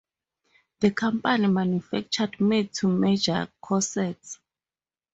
The company manufactured made-to-measure corsets.